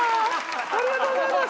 ありがとうございます！